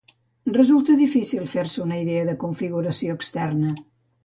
Resulta difícil fer-se una idea de configuració externa.